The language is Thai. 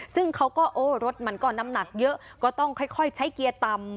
ซึ่งเขาก็โอ้รถมันก็น้ำหนักเยอะก็ต้องค่อยใช้เกียร์ต่ำ